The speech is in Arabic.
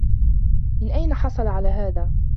من أين حصل على هذا؟